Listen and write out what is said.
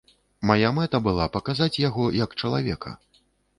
Мая мэта была паказаць яго, як чалавека.